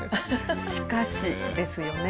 しかしですよね。